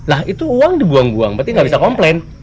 lah itu uang dibuang buang berarti nggak bisa komplain